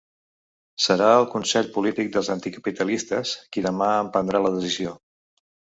Serà el consell polític dels anticapitalistes qui demà en prendrà la decisió.